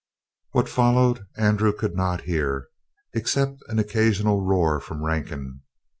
What followed Andrew could not hear, except an occasional roar from Rankin.